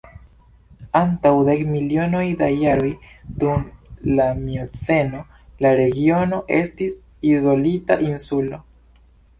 Antaŭ dek milionoj da jaroj, dum la mioceno, la regiono estis izolita insulo.